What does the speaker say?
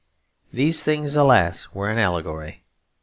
These things, alas, were an allegory.